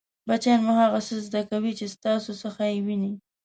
بچیان مو هغه څه ښه زده کوي چې ستاسو څخه يې ویني!